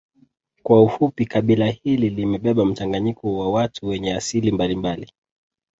Kwa ufupi kabila hili limebeba mchanganyiko wa watu wenye asili mbalimbali